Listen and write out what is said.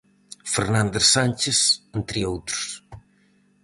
Fernández Sánchez, entre outros.